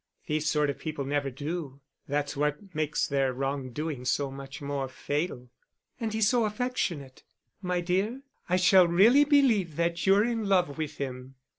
"These sort of people never do; that's what makes their wrong doing so much more fatal." "And he's so affectionate." "My dear, I shall really believe that you're in love with him."